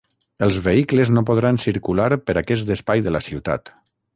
Els vehicles no podran circular per aquest espai de la ciutat.